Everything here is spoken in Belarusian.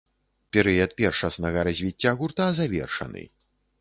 Перыяд першаснага развіцця гурта завершаны.